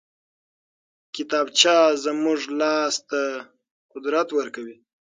کتابچه زموږ لاس ته قدرت ورکوي